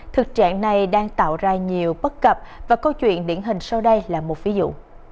thực trạng này đang tạo ra nhiều bất cập và câu chuyện điển hình sau đây là một ví dụ